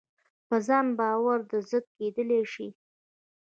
په ځان باور زده کېدلای شي.